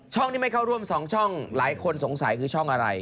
ที่ไม่เข้าร่วม๒ช่องหลายคนสงสัยคือช่องอะไร